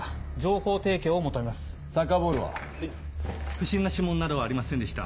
不審な指紋などはありませんでした。